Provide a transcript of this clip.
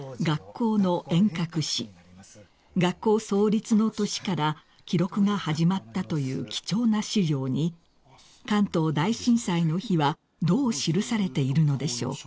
［学校創立の年から記録が始まったという貴重な史料に関東大震災の日はどう記されているのでしょうか］